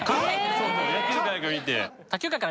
そうそう野球界から見て。